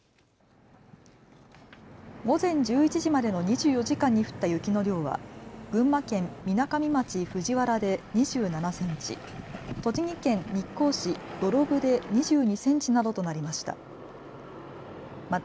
午前１１時までの２４時間に降った雪の量は群馬県みなかみ町藤原で２７センチ、栃木県日光市土呂部で２２センチなどとなりました。